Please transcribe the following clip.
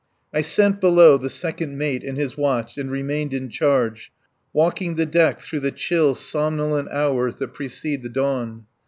I sent below the second mate and his watch and remained in charge, walking the deck through the chill, somnolent hours that precede the dawn.